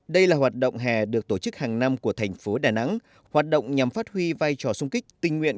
đây là hoạt động hè được tổ chức hàng năm của thành phố đà nẵng hoạt động nhằm phát huy vai trò sung kích tình nguyện